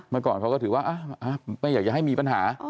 เมื่อก่อนเขาก็ถือว่าไม่อยากจะให้มีปัญหา